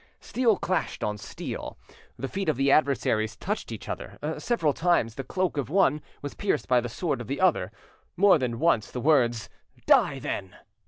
Steel clashed on steel, the feet of the adversaries touched each other, several times the cloak of one was pierced by the sword of the other, more than once the words "Die then!"